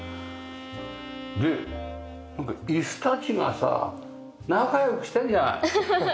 でなんか椅子たちがさ仲良くしてんじゃない。